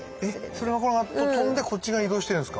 え⁉それが飛んでこっち側に移動してるんですか？